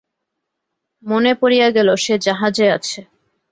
মনে পড়িয়া গেল, সে জাহাজে আছে।